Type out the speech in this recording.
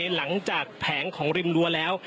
หลังจากแผงของริมรัวแล้ว